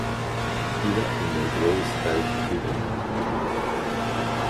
Il a une grosse tête et est trapu.